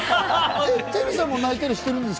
ＴＥＲＵさんも泣いたりしてるんですか？